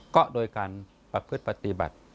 ก็โดยการประพฤติปฏิบัติ